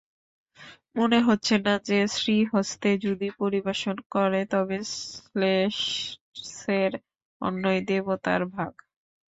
মনে হচ্ছে না যে, শ্রীহস্তে যদি পরিবেশন করে তবে ম্লেচ্ছের অন্নই দেবতার ভোগ?